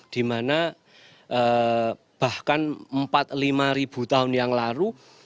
di mana bahkan empat lima ribu tahun yang lalu